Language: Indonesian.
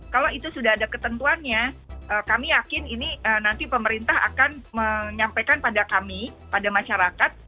kalau itu sudah ada ketentuannya kami yakin ini nanti pemerintah akan menyampaikan pada kami pada masyarakat